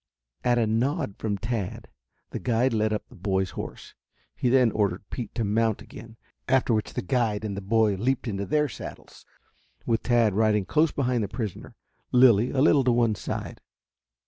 At a nod from Tad the guide led up the boy's horse. He then ordered Pete to mount again, after which the guide and the boy leaped into their saddles, with Tad riding close behind the prisoner, Lilly a little to one side.